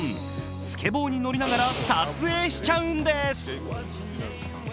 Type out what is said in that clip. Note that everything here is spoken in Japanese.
スケボーに乗りながら撮影しちゃうんです。